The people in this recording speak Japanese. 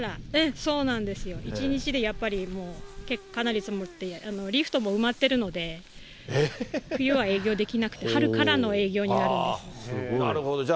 そうなんですよ、１日でやっぱりかなり積もって、リフトも埋まってるので、冬は営業できなくて、なるほど、じゃあ